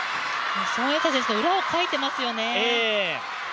孫エイ莎選手の裏をかいてますよね。